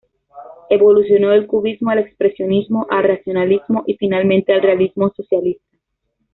Evolucionó del cubismo al expresionismo, el racionalismo y, finalmente, el realismo socialista.